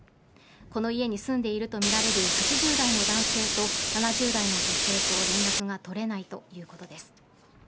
この家に住んでいるとみられる８０代の男性と７０代の女性と連絡が取れないということです。